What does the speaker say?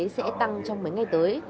sẽ tăng trong mấy ngày tới